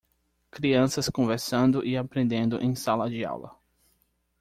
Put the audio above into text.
Crianças conversando e aprendendo em sala de aula.